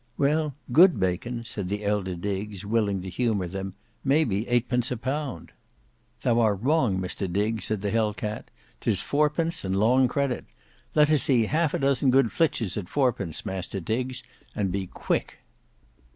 "Well, good bacon," said the elder Diggs willing to humour them, "may be eightpence a pound." "Thou are wrong Master Diggs," said the Hell cat, "'tis fourpence and long credit. Let us see half a dozen good flitches at fourpence, Master Diggs; and be quick."